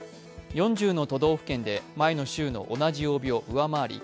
４０の都道府県で前の週の同じ曜日を上回り